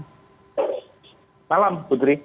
selamat malam putri